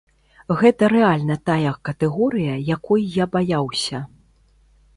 Гэта рэальна тая катэгорыя, якой я баяўся.